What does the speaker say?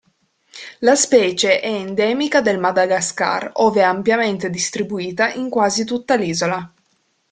La specie è endemica del Madagascar ove è ampiamente distribuita in quasi tutta l'isola.